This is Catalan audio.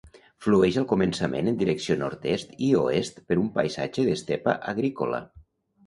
Flueix al començament en direcció nord-oest i oest per un paisatge d'estepa agrícola.